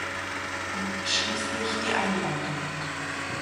Und schließlich die Einwanderung.